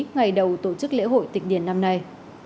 ngày đầu tổ chức lễ hội tịch điền năm nay